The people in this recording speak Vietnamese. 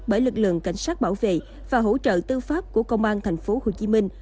bởi lực lượng cảnh sát bảo vệ và hỗ trợ tư pháp của công an tp hcm